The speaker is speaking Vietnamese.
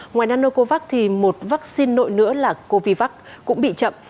ngoài nanocovax một vaccine nội nữa là covivac cũng bị chậm